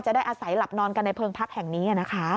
ได้อาศัยหลับนอนกันในเพิงพักแห่งนี้นะคะ